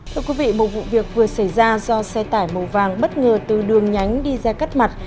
thưa quý vị một vụ việc vừa xảy ra do xe tải màu vàng bất ngờ từ đường nhánh đi ra cắt mặt